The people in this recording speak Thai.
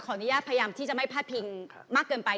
อนุญาตพยายามที่จะไม่พาดพิงมากเกินไป